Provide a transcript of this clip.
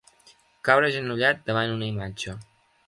Caure agenollat davant una imatge.